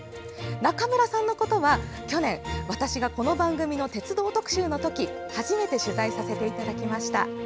中村さんのことは、去年私がこの番組の鉄道特集の時初めて取材させていただきました。